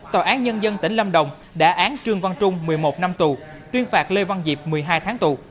tòa án nhân dân tỉnh lâm đồng đã án trương văn trung một mươi một năm tù tuyên phạt lê văn diệp một mươi hai tháng tù